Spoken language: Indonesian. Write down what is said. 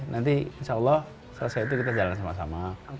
nanti insya allah selesai itu kita jalan sama sama